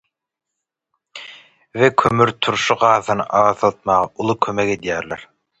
we kömürturşy gazyny azaltmaga uly kömek edýärler.